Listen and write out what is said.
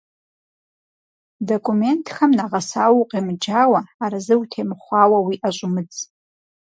Документхэм нэгъэсауэ укъемыджауэ, арэзы утемыхъуауэ, уи ӏэ щӏумыдз.